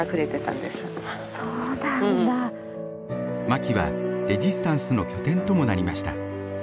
マキはレジスタンスの拠点ともなりました。